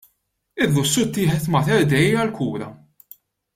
Ir-Russu ttieħed Mater Dei għall-kura.